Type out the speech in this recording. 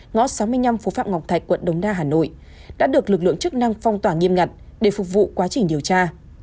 ngõ sáu mươi năm phố phạm ngọc thạch quận đồng đa hà nội đã được lực lượng chức năng phong tỏa nghiêm ngặt để phục vụ quá trình điều tra